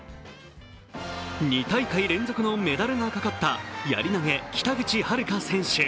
２大会連続のメダルがかかった、やり投、北口榛花選手。